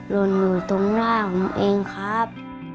ร่อนอยู่ตรงล่างของผมเองครับ